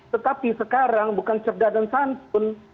tetapi sekarang bukan cerda dan santun